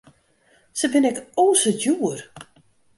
Se binne ek o sa djoer.